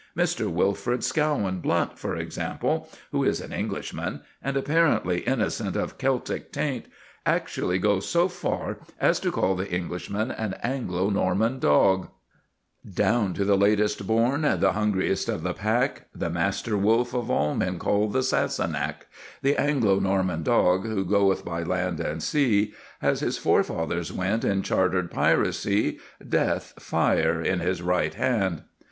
Mr. Wilfrid Scawen Blunt, for example, who is an Englishman, and apparently innocent of Celtic taint, actually goes so far as to call the Englishman an Anglo Norman dog: Down to the latest born, the hungriest of the pack, The master wolf of all men, called the Sassenach, The Anglo Norman dog, who goeth by land and sea, As his forefathers went in chartered piracy, Death, fire in his right hand.